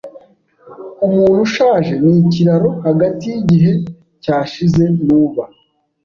Umuntu ushaje ni ikiraro hagati yigihe cyashize nuba